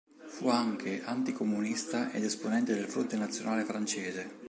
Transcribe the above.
Fu anche anticomunista ed esponente del Fronte Nazionale Francese.